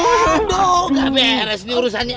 aduh gak beres nih urusannya